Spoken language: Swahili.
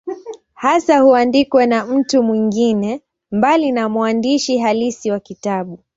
Hasa huandikwa na mtu mwingine, mbali na mwandishi halisi wa kitabu.